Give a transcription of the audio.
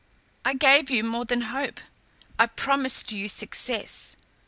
I gave you more than hope I promised you success.